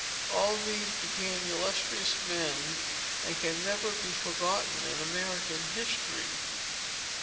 All these became illustrious men, and can never be forgotten in American history.